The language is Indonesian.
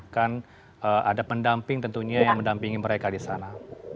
kan ada pendamping tentunya yang mendampingi mereka di sana